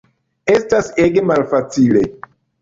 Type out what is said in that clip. Estas ege malfacile.